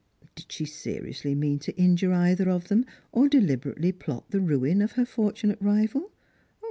Did she seriously mean to injure either of them, or deliberately plot the ruin of her fortunate rival